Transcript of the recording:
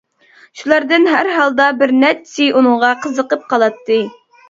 شۇلاردىن ھەر ھالدا بىر نەچچىسى ئۇنىڭغا قىزىقىپ قالاتتى.